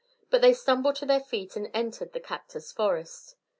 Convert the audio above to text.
But they stumbled to their feet and entered the cactus forest.